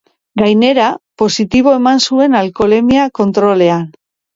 Gainera, positibo eman zuen alkoholemia kontrolean.